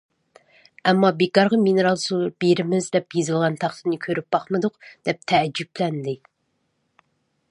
ئەمما بىكارغا مىنېرال سۇ بېرىمىز، دەپ يېزىلغان تاختىنى كۆرۈپ باقمىدۇق، دەپ تەئەججۈپلەندى.